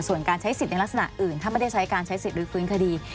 ส่วนการใช้สิทธิ์ในลักษณะอื่นถ้าไม่ได้ใช้การใช้สิทธิลื้อฟื้นคดี